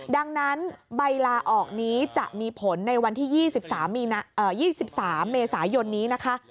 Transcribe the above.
ดังนั้นใบลาออกนี้จะมีผลในวันที่๒๓เมษายนนี้นะคะ